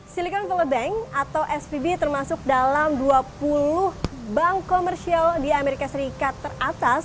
silicon valley bank atau svb termasuk dalam dua puluh bank komersial di amerika serikat teratas